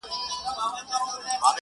په بوتلونو شـــــراب ماڅښلي,